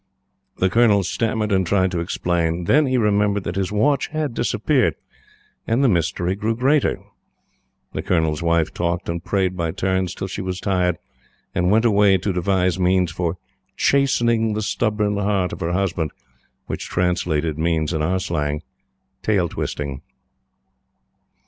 The Colonel stammered and tried to explain. Then he remembered that his watch had disappeared; and the mystery grew greater. The Colonel's Wife talked and prayed by turns till she was tired, and went away to devise means for "chastening the stubborn heart of her husband." Which translated, means, in our slang, "tail twisting."